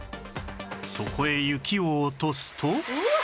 そこへ雪を落とすと